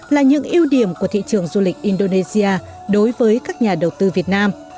là những ưu điểm của thị trường du lịch indonesia đối với các nhà đầu tư việt nam